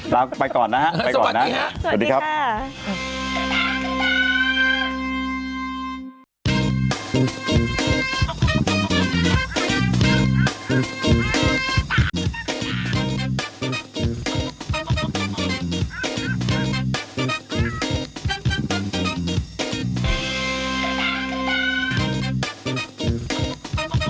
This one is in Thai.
ลาวไปก่อนนะฮะสวัสดีค่ะสวัสดีครับสวัสดีครับ